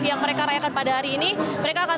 yang mereka rayakan pada hari ini mereka akan